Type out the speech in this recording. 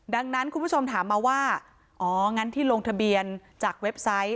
ดังนั้นคุณผู้ชมถามมาว่าอ๋องั้นที่ลงทะเบียนจากเว็บไซต์